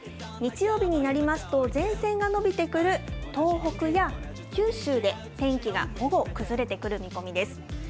日曜日になりますと、前線が延びてくる東北や九州で、天気が午後、崩れてくる見込みです。